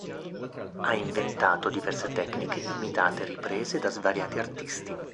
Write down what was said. Ha inventato diverse tecniche, imitate e riprese da svariati artisti.